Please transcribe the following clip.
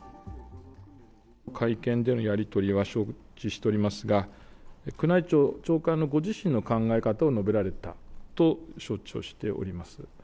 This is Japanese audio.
会見でのやり取りは承知しておりますが、宮内庁長官のご自身の考え方を述べられたと承知をしております。